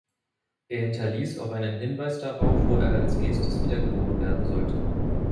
Er hinterließ auch einen Hinweis darauf, wo er als Nächstes wiedergeboren werden sollte.